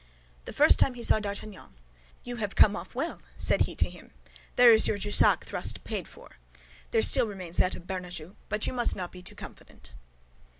The first time he saw D'Artagnan, "You have come off well," said he to him; "there is your Jussac thrust paid for. There still remains that of Bernajoux, but you must not be too confident."